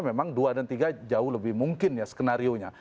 memang dua dan tiga jauh lebih mungkin ya skenario nya